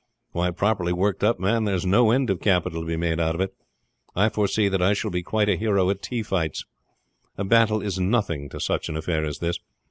Why, properly worked up, man, there is no end of capital to be made out of it. I foresee that I shall be quite a hero at tea fights. A battle is nothing to such an affair as this.